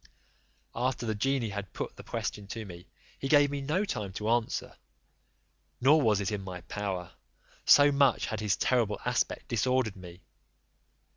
After the genie had put the question to me, he gave me no time to answer, nor was it in my power, so much had his terrible aspect disordered me.